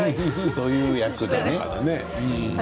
そういう役でした。